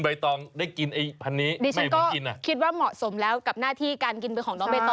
บอกว่ามันเหมือนตอดหมาไงคุณมันยังไง